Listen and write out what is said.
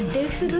dia nangis dulu ya